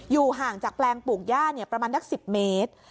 อยู่ห่างจากแปลงปลูกย่าประมาณ๑๐เมตร